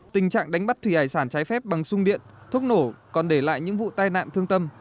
tình trạng đánh bắt thủy hải sản trái phép bằng sung điện thuốc nổ còn để lại những vụ tai nạn thương tâm